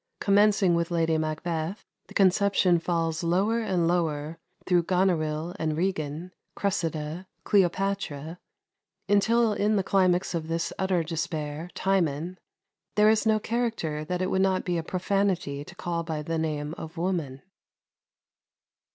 Commencing with Lady Macbeth, the conception falls lower and lower, through Goneril and Regan, Cressida, Cleopatra, until in the climax of this utter despair, "Timon," there is no character that it would not be a profanity to call by the name of woman.